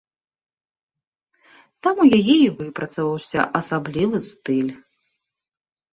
Там у яе і выпрацаваўся асаблівы стыль.